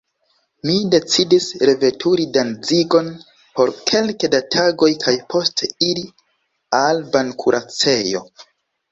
Mi decidis reveturi Danzigon por kelke da tagoj kaj poste iri al bankuracejo.